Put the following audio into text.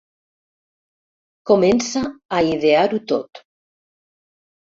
Comença a idear-ho tot.